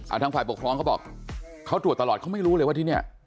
ทางฝ่ายปกครองเขาบอกเขาตรวจตลอดเขาไม่รู้เลยว่าที่เนี่ย